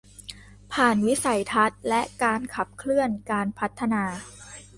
ผ่านวิสัยทัศน์และการขับเคลื่อนการพัฒนา